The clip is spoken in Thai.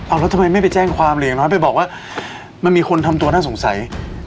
เอาแล้วทำไมไม่ไปแจ้งความหรืออย่างน้อยไปบอกว่ามันมีคนทำตัวน่าสงสัย